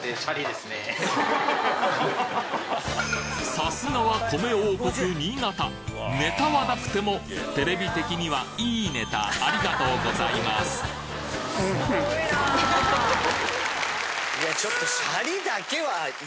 さすがは米王国新潟ネタはなくてもテレビ的にはいいネタありがとうございますいやちょっと。